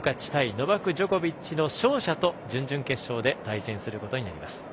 ノバク・ジョコビッチの準々決勝で対決することになります。